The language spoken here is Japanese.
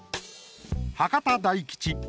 博多大吉。